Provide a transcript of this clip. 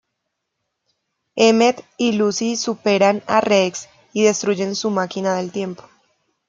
Emmet y Lucy superan a Rex y destruyen su máquina del tiempo.